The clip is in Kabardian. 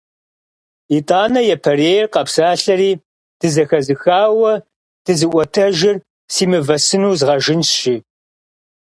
Итӏанэ япэрейр къэпсалъэри: - Дызэхэзыхауэ дызыӏуэтэжыр сэ мывэ сыну згъэжынщ!- жи.